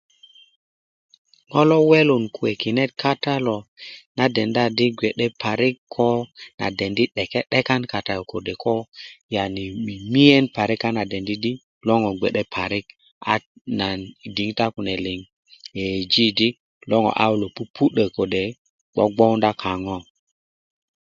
ŋo lo welun kwe kinet kata lo na denda di gbe'de parik ko nan dendi di ko 'de'dekan kata yu kode ko yani mimiyen parik a nan dendi di lo ŋo bgwe'de parik a nan i diŋitan kune liŋ yeyeji di lo ŋo au lo pupu'do kode lo bgowunda ŋaŋo